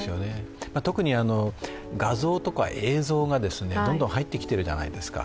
特に画像とか映像がどんどん入ってきているじゃないですか。